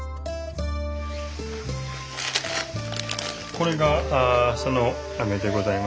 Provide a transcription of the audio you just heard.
これがそのあめでございます。